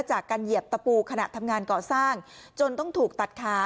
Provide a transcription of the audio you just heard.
เหยียบตะปูขณะทำงานก่อสร้างจนต้องถูกตัดขา